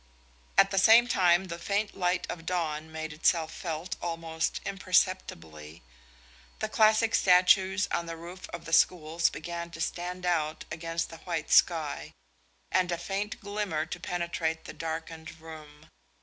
At the same time the faint light of dawn made itself felt almost imperceptibly; the classic statues on the roof of the schools began to stand out against the white sky, and a faint glimmer to penetrate the darkened room.